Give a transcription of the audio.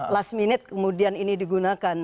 last minute kemudian ini digunakan